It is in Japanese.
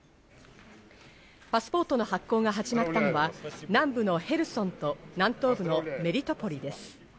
パスポートの発行が始まったのは、南部のヘルソンと南東部のメリトポリです。